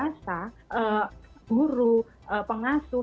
asal guru pengasuh